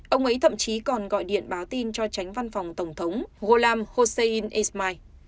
ông ấy thậm chí còn gọi điện báo tin cho tránh văn phòng tổng thống ghulam hossein ismail